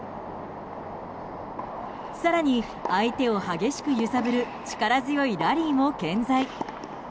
更に、相手を激しく揺さぶる力強いラリーも健在。